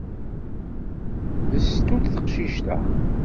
D sstut teqcict-a!